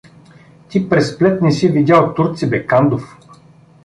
— Ти през плет не си видял турци бе, Кандов!